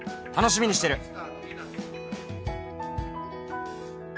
楽しみにしてる」